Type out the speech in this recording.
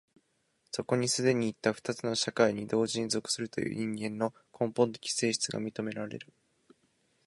そこに既にいった二つの社会に同時に属するという人間の根本的性質が認められる。